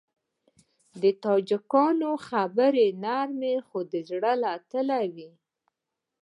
د تاجکانو خبرې نرمې خو د زړه له تله وي.